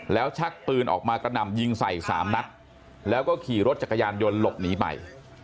แล้วชักปืนออกมากระหน่ำยิงใส่๓นัดแล้วก็ขี่รถจักรยานยนต์หลบหนีไป